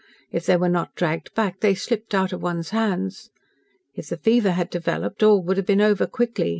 If they were not dragged back they slipped out of one's hands. If the fever had developed, all would have been over quickly.